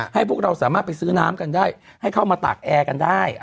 ให้พวกเราสามารถไปซื้อน้ำกันได้ให้เข้ามาตากแอร์กันได้